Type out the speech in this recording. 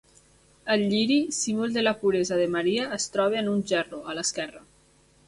Ell lliri, símbol de la puresa de Maria es troba en un gerro, a l'esquerra.